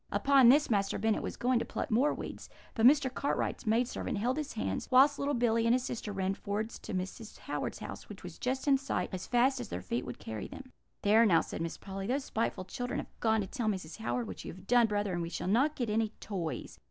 Upon this Master Bennet was going to pluck more weeds, but Mr. Cartwright's maid servant held his hands, whilst little Billy and his sister ran forwards to Mrs. Howard's house, which was just in sight, as fast as their feet would carry them. "'There, now,' said Miss Polly, 'those spiteful children have gone to tell Mrs. Howard what you have done, brother, and we shall not get any toys.